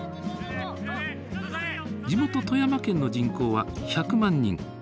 地元富山県の人口は１００万人。